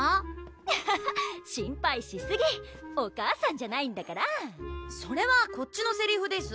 アハハ心配しすぎお母さんじゃないんだからそれはこっちのせりふです！